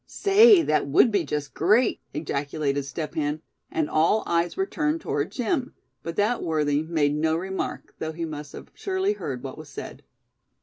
"Say, that would be just great!" ejaculated Step Hen; and all eyes were turned toward Jim; but that worthy made no remark, though he must have surely heard what was said.